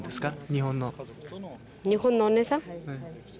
日本の日本のお姉さん？